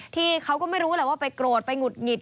ที่เขาก็ไม่รู้แหละว่าไปโกรธไปหงุดหงิด